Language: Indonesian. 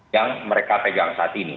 yang mereka pegang saat ini